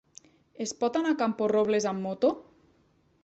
Es pot anar a Camporrobles amb moto?